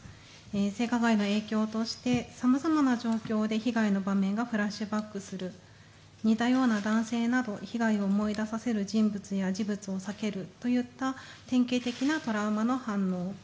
性加害の影響としてさまざまな状況で被害の場面がフラッシュバックする似たような男性など被害を思い出させる人物などを避けるといった典型的なトラウマの反応。